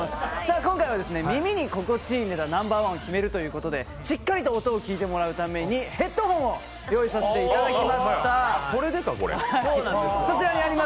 今回は耳に心地いいネタを審査していただくということでしっかりと音を聞いてもらうためにヘッドホンを用意させていただきました。